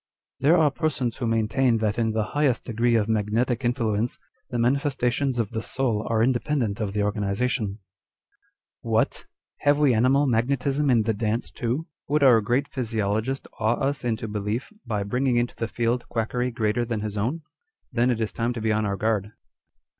" There are persons who maintain that in the highest degree of magnetic influence, the manifestations of the soul are independent of the organization." s What ! have we animal magnetism in the dance, too ? Would our great physiologist awe us into belief by 1 Page 118. " Page 122. 204 On Dr. Spurzheim's Theory. bringing into the field quackery greater than his own ? Then it is time to be on our guard.